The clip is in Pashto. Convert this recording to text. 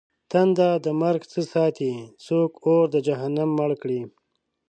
تنده د مرگ څه ساتې؟! څوک اور د جهنم مړ کړي؟!